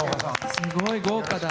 すごい豪華だ。